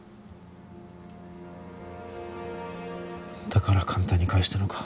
だから簡単に返したのか。